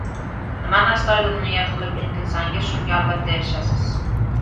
• Nimani astoydil niyat qilib intilsangiz, shunga albatta erishasiz.